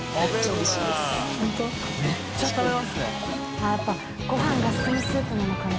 あっやっぱごはんが進むスープなのかな？